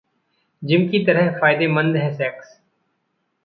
Gym की तरह फायदेमंद है सेक्स!